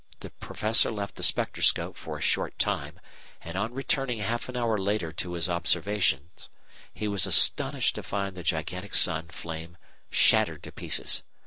the Professor left the spectroscope for a short time, and on returning half an hour later to his observations, he was astonished to find the gigantic Sun flame shattered to pieces.